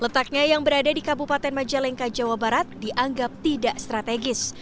letaknya yang berada di kabupaten majalengka jawa barat dianggap tidak strategis